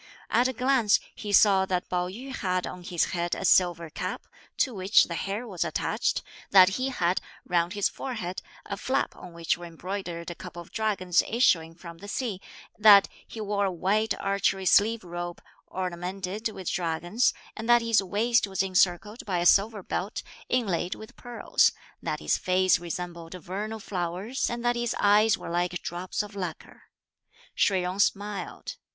At a glance, he saw that Pao yü had on his head a silver cap, to which the hair was attached, that he had, round his forehead, a flap on which were embroidered a couple of dragons issuing from the sea, that he wore a white archery sleeved robe, ornamented with dragons, and that his waist was encircled by a silver belt, inlaid with pearls; that his face resembled vernal flowers and that his eyes were like drops of lacquer. Shih Jung smiled.